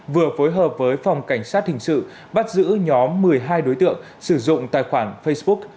vừa phối hợp với phòng cảnh sát hình sự bắt giữ nhóm một mươi hai đối tượng sử dụng tài khoản facebook